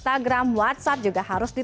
terima kasih mbak rho